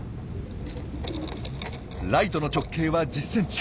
ライトの直径は１０ｃｍ。